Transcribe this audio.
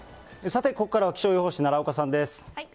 さて、ここからは気象予報士、奈良岡さんです。